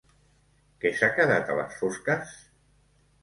Que s'ha quedat a les fosques?